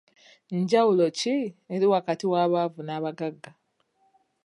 Njawulo ki eri wakati w'abaavu n'abagagga?